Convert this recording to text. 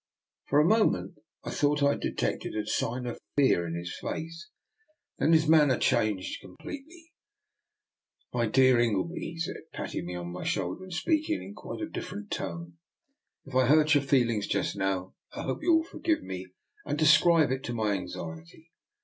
For a moment I thought I had detected a sign of fear in his face. Then his manner changed completely. " My dear Ingleby," he said, patting me on the shoulder and speaking in quite a dif ferent tone, " we are wrangling like a pair of schoolboys. If I hurt your feelings just now, I hope you will forgive me and ascribe it to my anxiety.